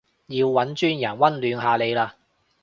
要搵專人溫暖下你嘞